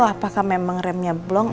apakah memang remnya blong